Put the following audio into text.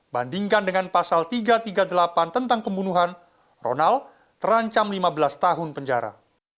bandingkan dengan pasal tiga ratus tiga puluh delapan tentang pembunuhan ronald terancam lima belas tahun penjara